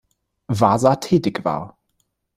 Wasa tätig war.